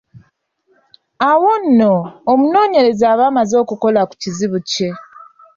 Awo nno, omunoonyereza aba amaze okukola ku kizibu kye.